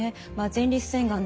前立腺がん